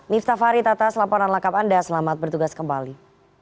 niftavari tata selaporan lengkap anda selamat bertugas kembali